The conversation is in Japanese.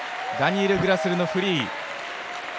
ダニエル・グラスルのフリー。